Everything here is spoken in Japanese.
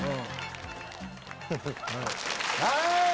はい！